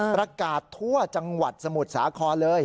ประกาศทั่วจังหวัดสมุทรสาครเลย